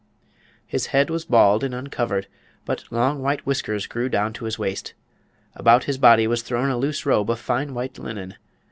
His head was bald and uncovered, but long white whiskers grew down to his waist. About his body was thrown a loose robe of fine white linen.